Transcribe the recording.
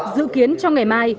dự kiến cho ngày mai